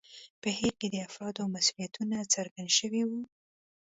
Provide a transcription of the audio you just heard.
په هیر کې د افرادو مسوولیتونه څرګند شوي وو.